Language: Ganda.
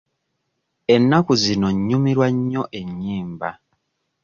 Ennaku zino nnyumirwa nnyo ennyimba.